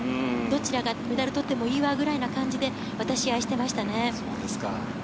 どちらがメダルを取ってもいいわぐらいな感じで、渡し合いをしていましたね。